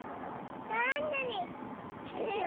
どんぐり！